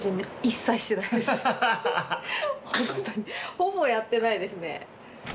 ほぼやってないですね。